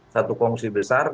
satu kongsi besar